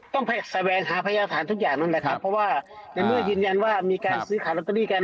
ต้องให้ประกยาธารทุกอย่างนั่นแหละครับเพราะว่ามันผิดยืนยันว่ามีการซื้อขาลโลตเตอรี่กัน